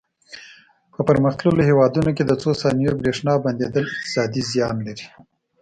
په پرمختللو هېوادونو کې د څو ثانیو برېښنا بندېدل اقتصادي زیان لري.